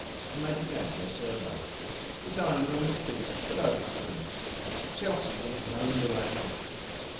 And they began their survey. The dining room was big, but over furnished. Chelsea would have moaned aloud.